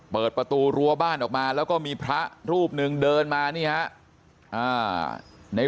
เปิดประตูรั้วบ้านออกมาแล้วก็มีพระรูปหนึ่งเดินมานี่ฮะ